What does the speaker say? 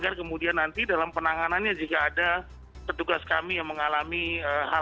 agar kemudian nanti dalam penanganannya jika ad universe kami yang mengalami hal hal yang tidak kita inginkan